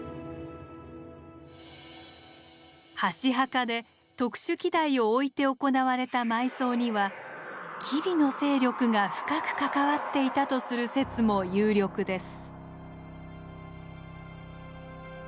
箸墓で特殊器台を置いて行われた埋葬には吉備の勢力が深く関わっていたとする説も有力です。